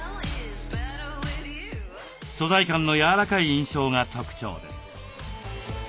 素材感の柔らかい印象が特徴です。